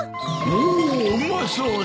おうまそうだ。